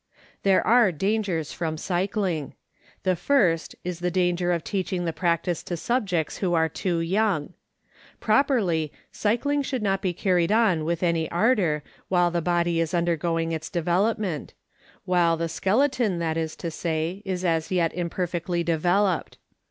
There are dangers from cycling. The first is the danger of teaching the practice to subjects who are too young. Properly, cycling should not be carried on with any ardor while the body is undergoing its development ŌĆö while the skeleton, that is to say, is as yet imperfectly developed.